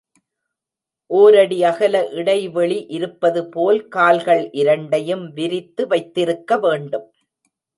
ஒரடி அகல இடைவெளி இருப்பது போல் கால்கள் இரண்டையும் விரித்து வைத்திருக்க வேண்டும்.